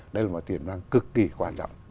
đây là một tiềm năng cực kỳ quan trọng